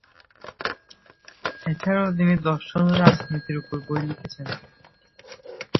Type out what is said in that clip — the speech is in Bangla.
এছাড়াও তিনি দর্শন ও রাজনীতির উপর বই লিখেছেন।